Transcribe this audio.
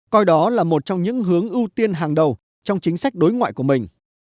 coi đó là một trong những hướng ưu tiên hàng đầu trong chính sách đối ngoại của mình